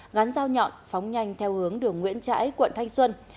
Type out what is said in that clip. ngắn dao nhọn phóng nhanh theo hướng đường nguyễn trãi quận thanh xuân